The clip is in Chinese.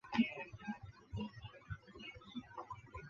齐燮元任该委员会委员兼治安总署督办。